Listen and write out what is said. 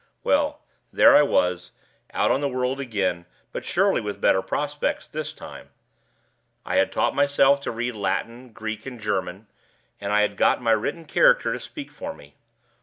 Well! there I was, out on the world again, but surely with better prospects this time. I had taught myself to read Latin, Greek, and German; and I had got my written character to speak for me.